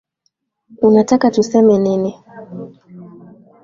Unataka tuseme nini